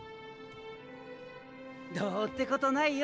どうってことないよ。